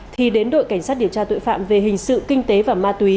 thì đến đội cảnh sát điều tra tội phạm về hình sự kinh tế và ma túy